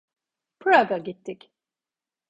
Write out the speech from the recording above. Prag'a gittik.